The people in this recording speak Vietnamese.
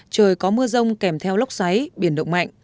trời có mưa rông kèm theo lốc xoáy biển động mạnh